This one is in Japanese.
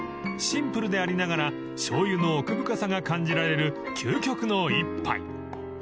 ［シンプルでありながらしょうゆの奥深さが感じられる究極の一杯］